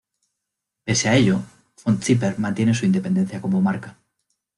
Pese a ello, Von Zipper mantiene su independencia como marca.